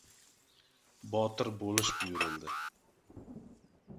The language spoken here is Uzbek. — Botir bo‘lish buyurildi.